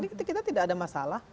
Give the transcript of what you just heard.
kita tidak ada masalah